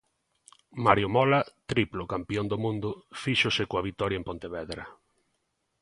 Mario Mola, triplo campión do mundo, fíxose coa vitoria en Pontevedra.